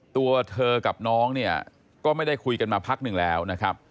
ตัวเธอกับน้องเนี่ยก็ไม่ได้คุยกันมาพักหนึ่งแล้วนะครับ